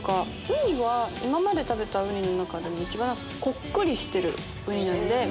ウニは今まで食べたウニの中でも一番コックリしてるウニなんで。